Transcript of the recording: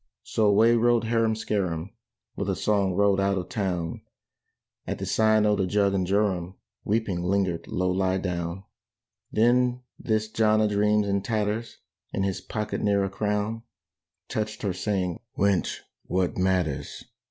So away rode Harum Scarum, With a song rode out of town; At the Sign o' the Jug and Jorum Weeping lingered Low lie down. Then this John a dreams, in tatters, In his pocket ne'er a crown, Touched her saying, "Wench, what matters!